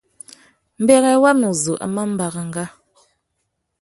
Mbêrê wamê zu a mà baranga.